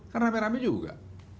karena ramai ramai juga